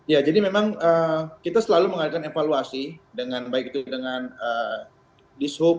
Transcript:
ya jadi memang kita selalu mengadakan evaluasi dengan baik itu dengan dishub